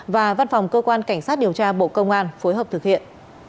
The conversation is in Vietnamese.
và văn phòng cơ quan cảnh sát điều tra bộ công an phối hợp thực hiện